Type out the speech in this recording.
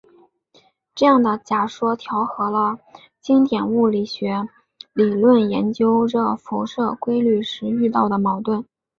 这样的假说调和了经典物理学理论研究热辐射规律时遇到的矛盾。